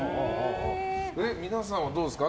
皆さんはどうですか？